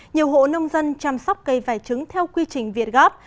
nhiều hộ nông dân chăm sóc cây vải trứng theo quy trình việt gáp